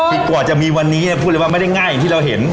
คือกว่าจะมีวันนี้พูดเลยว่าไม่ได้ง่ายอย่างที่เราเห็น